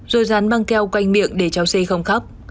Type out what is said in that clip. rồi dán băng keo quanh miệng để cháu xây không khóc